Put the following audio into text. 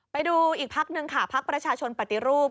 ไปดูอีกพักหนึ่งค่ะพักประชาชนปฏิรูป